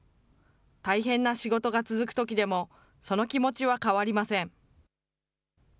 大変な仕事が続くときでも、その気持ちは変わりません。